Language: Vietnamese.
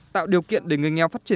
tạo điều kiện để người nghèo phát triển